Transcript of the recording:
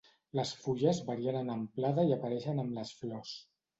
Les fulles varien en amplada i apareixen amb les flors.